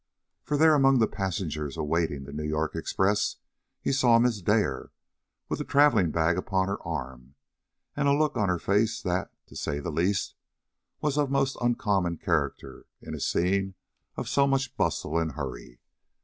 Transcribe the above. For, there among the passengers awaiting the New York express, he saw Miss Dare, with a travelling bag upon her arm and a look on her face that, to say the least, was of most uncommon character in a scene of so much bustle and hurry.